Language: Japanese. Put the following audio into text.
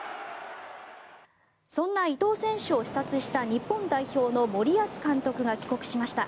そんな伊東選手を視察した日本代表の森保監督が帰国しました。